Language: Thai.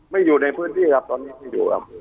อยู่ในพื้นที่ครับตอนนี้ไม่อยู่ครับ